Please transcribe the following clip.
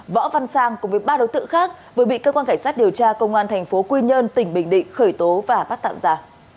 võ văn sang cùng với ba đối tượng khác vừa bị cơ quan cảnh sát điều tra công an thành phố quy nhơn tỉnh bình định khởi tố và bắt tạm giả